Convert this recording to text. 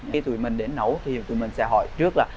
khi tụi mình đến nấu thì tụi mình sẽ hỏi trước là